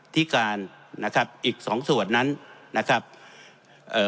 ที่การนะครับอีกสองส่วนนั้นนะครับเอ่อ